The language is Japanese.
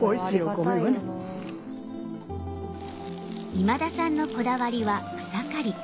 今田さんのこだわりは草刈り。